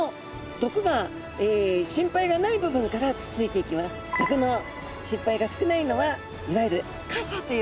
毒の心配が少ないのはいわゆる傘という部分なんですね。